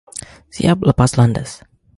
Siap lepas landas.